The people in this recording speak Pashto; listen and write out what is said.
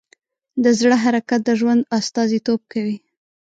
د زړه حرکت د ژوند استازیتوب کوي.